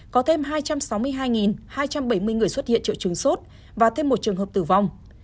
có thêm hai trăm sáu mươi hai hai trăm bảy mươi người xuất hiện triệu chứng sốt và thêm một trường hợp tử vong